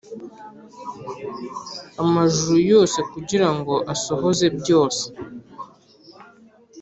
amajuru yose kugira ngo asohoze byose